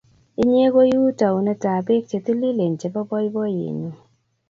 Inye ko iu taunetap pek che tililen chepo poipoiyenyu.